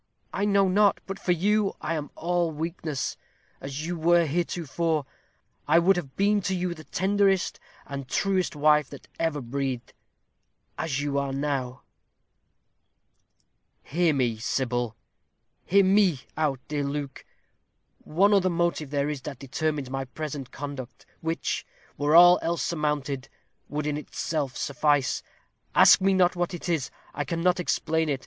I know not. But for you I am all weakness. As you were heretofore, I would have been to you the tenderest and truest wife that ever breathed; as you are now " "Hear me, Sybil." "Hear me out, dear Luke. One other motive there is that determines my present conduct, which, were all else surmounted, would in itself suffice. Ask me not what that is. I cannot explain it.